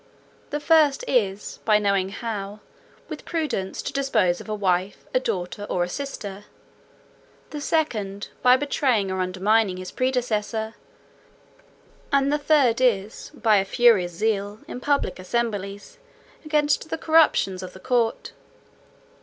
The first is, by knowing how, with prudence, to dispose of a wife, a daughter, or a sister; the second, by betraying or undermining his predecessor; and the third is, by a furious zeal, in public assemblies, against the corruptions of the court.